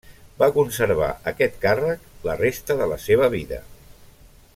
Va conservar aquest càrrec la resta de la seva vida.